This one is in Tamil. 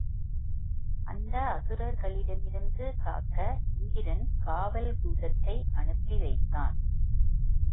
அந்த அசுரர்களிடமிருந்து காக்க இந்திரன் காவல் பூதத்தை அனுப்பிவைத்தான்.